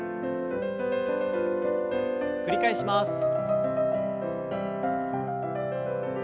繰り返します。